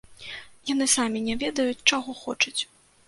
Яны самі не ведаюць, чаго хочуць.